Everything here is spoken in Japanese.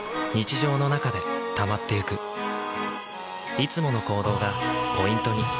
いつもの行動がポイントに。